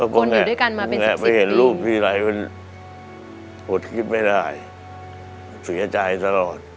ก็แค่ไปเห็นรูปที่ไหลเป็นหดคิดไม่ได้เสียใจสะลอด